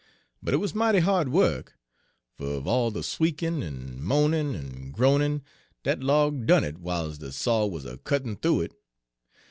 But it wuz mighty hard wuk; fer of all de sweekin', en moanin', en groanin', dat log done it w'iles de saw wuz a cuttin' thoo it.